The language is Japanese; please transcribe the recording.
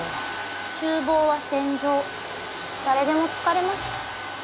厨房は戦場誰でも疲れます